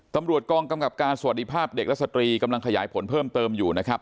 ตำรวจกองกำกับการสวัสดีภาพเด็กและสตรีกำลังขยายผลเพิ่มเติมอยู่นะครับ